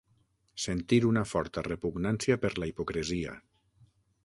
Sentir una forta repugnància per la hipocresia.